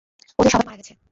ওদের সবাই মারা গেছে!